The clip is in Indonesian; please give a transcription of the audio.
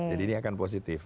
jadi ini akan positif